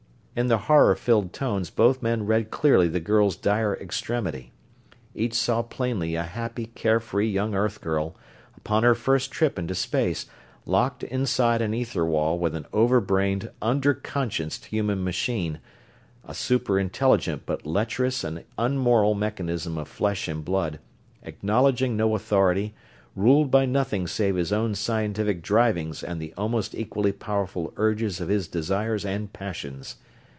In the horror filled tones both men read clearly the girl's dire extremity. Each saw plainly a happy, care free young earth girl, upon her first trip into space, locked inside an ether wall with an over brained, under conscienced human machine a super intelligent but lecherous and unmoral mechanism of flesh and blood, acknowledging no authority, ruled by nothing save his own scientific drivings and the almost equally powerful urges of his desires and passions!